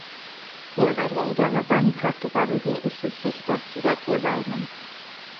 Եղել է իրավաբանի քարտուղարուհի, ուսուցիչ, դաստիարակ և այլն։